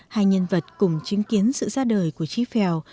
hai nhân vật cùng chứng kiến sự ra đời của trí phèo